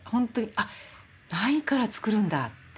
あっないからつくるんだって。